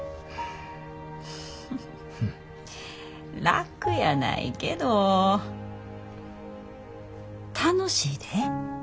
楽やないけど楽しいで。